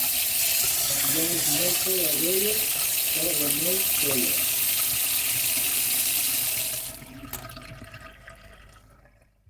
Ja és morta l'abella que la mel feia.